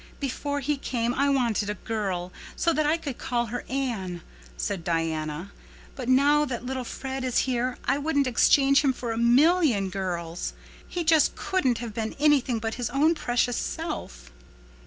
"Before he came I wanted a girl, so that I could call her ANNE," said Diana. "But now that little Fred is here I wouldn't exchange him for a million girls. He just couldn't have been anything but his own precious self."